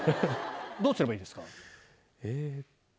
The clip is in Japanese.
どうすればいいんですか？